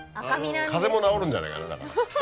風邪も治るんじゃないかな。